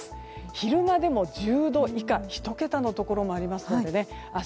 昼間でも１０度以下１桁のところもありますので明日